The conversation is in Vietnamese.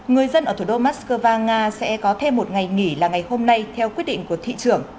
người dân ở thủ đô moscow nga sẽ có thêm một ngày nghỉ là ngày hôm nay theo quyết định của thị trưởng